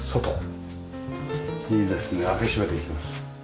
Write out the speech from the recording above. いいですね開け閉めできます。